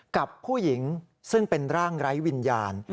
กับผู้หญิงซึ่งเป็นร่างไร้วิญญาณ